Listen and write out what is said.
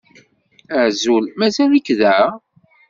Azul! Mazal-ik da?